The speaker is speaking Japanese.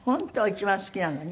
一番好きなのに？